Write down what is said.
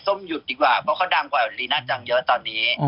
หยุดดีกว่าเพราะเขาดังกว่าลีน่าจังเยอะตอนนี้